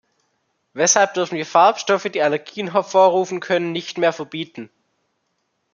Weshalb dürfen wir Farbstoffe, die Allergien hervorrufen können, nicht mehr verbieten?